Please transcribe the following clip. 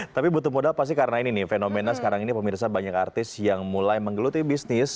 tapi butuh modal pasti karena ini nih fenomena sekarang ini pemirsa banyak artis yang mulai menggeluti bisnis